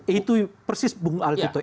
itu persis bung alkitoy